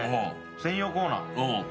専用コーナー。